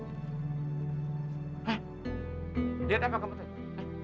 nah lihat apa kamu tadi